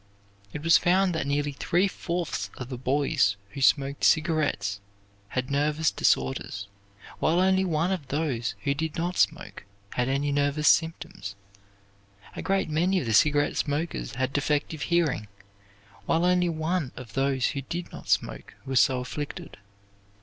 It was found that nearly three fourths of the boys who smoked cigarettes had nervous disorders, while only one of those who did not smoke had any nervous symptoms. A great many of the cigarette smokers had defective hearing, while only one of those who did not smoke was so afflicted.